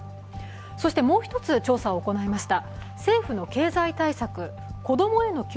そしてもう一つ、調査を行いました